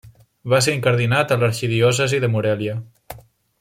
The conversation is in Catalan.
Va ser incardinat a l'arxidiòcesi de Morelia.